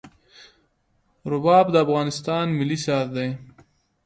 رباب د افغانستان ملي ساز دی.